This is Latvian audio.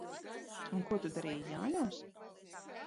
Un ko tu darīji Jāņos?